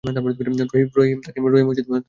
রহিম, তাকে নিয়ে যাও।